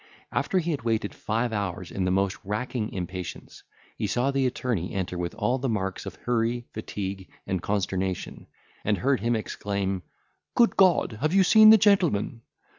After he had waited five hours in the most racking impatience, he saw the attorney enter with all the marks of hurry, fatigue, and consternation, and heard him exclaim, "Good God, have you seen the gentleman?"